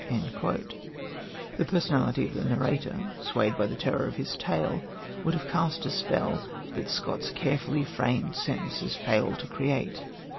The personality of the narrator, swayed by the terror of his tale, would have cast the spell that Scott's carefully framed sentences fail to create.